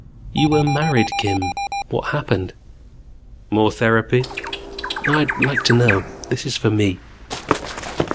"You were married, Kim. What happened?" "More therapy?" "I'd like to know. This is for me."